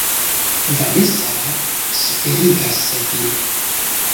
Vanesa suferigas vin.